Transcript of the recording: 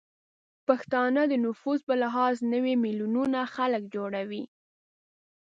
پښتانه د نفوس به لحاظ نوې میلیونه خلک جوړوي